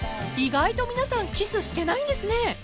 ［意外と皆さんキスしてないんですね］